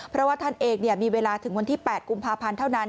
เพราะว่าท่านเองมีเวลาถึงวันที่๘กุมภาพันธ์เท่านั้น